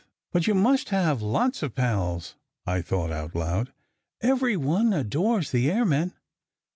" But you must have lots of pals," I thought out aloud. "Every one adores the airmen."